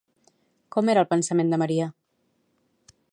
Com era el pensament de Maria?